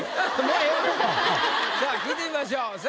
さあ聞いてみましょう。